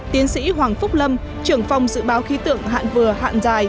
tiến sĩ hoàng phúc lâm trưởng phòng dự báo khí tượng hạn vừa